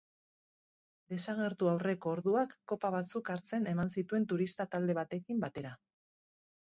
Desagertu aurreko orduak kopa batzuk hartzen eman zituen turista talde batekin batera.